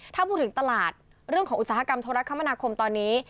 ถ้าพูดถึงตลาดเรื่องของอุตสาหกรรมโทรคมนาคมตอนนี้